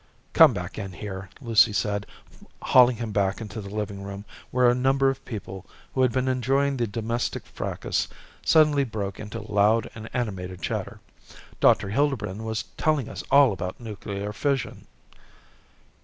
"Come back in here," Lucy said, hauling him back into the living room where a number of people who had been enjoying the domestic fracas suddenly broke into loud and animated chatter. "Dr. Hildebrand was telling us all about nuclear fission."